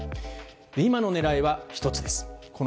今の狙いは１つです。